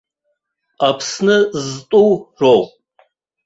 Аԥсны зтәу роуп.